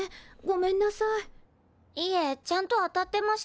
いえちゃんと当たってました。